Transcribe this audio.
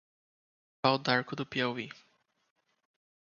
Pau d'Arco do Piauí